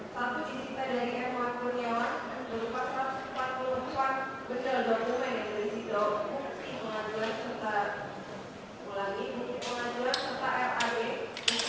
dilihat tiga penyatakan barang bukti berupa satu cipta dari emor penyewa berupa satu ratus empat puluh empat bener dokumen yang terisi dalam fungsi pengadilan serta lad